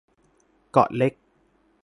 เกาะเล็ก